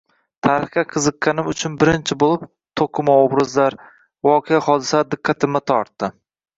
Tarixga qiziqqanim uchun birinchi boʻlib, toʻqima obrazlar, voqea-hodisalar diqqatimni tortdi.